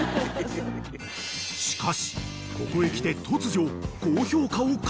［しかしここへきて］